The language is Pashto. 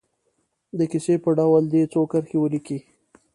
د کیسې په ډول دې څو کرښې ولیکي.